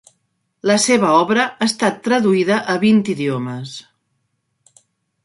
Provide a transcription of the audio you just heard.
La seva obra ha estat traduïda a vint idiomes.